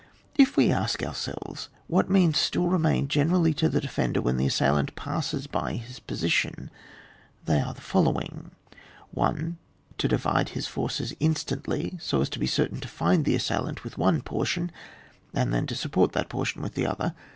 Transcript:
If we ask ourselves what means still remain generally to the defender when the assailant passes by his position, they are the following :— 1. To divide his forces instantly, so as to be certain to find the assailant with one portion, and then to support that portion with the other.